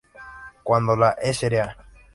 Cuando la Sra.